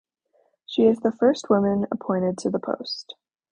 She is the first woman to appointed to the post.